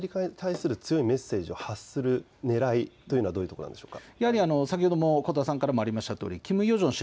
このタイミングでアメリカに対する強いメッセージを発するねらいというのはどうなっているんでしょうか。